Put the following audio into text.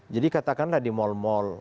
jadi katakanlah di mal mal